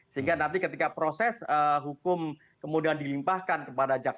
sehingga nanti ketika proses hukum kemudian dilimpahkan kepada jaksa